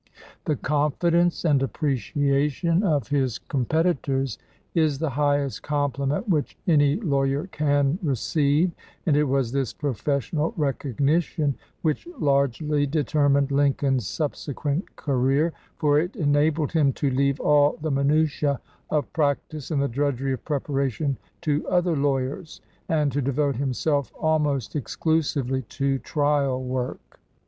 The confidence and appreciation of his com 12 199 LINCOLN THE LAWYER petitors is the highest compliment which any law yer can receive, and it was this professional recognition which largely determined Lincoln's subsequent career, for it enabled him to leave all the minutiae of practice and the drudgery of preparation to other lawyers and to devote him self almost exclusively to trial work.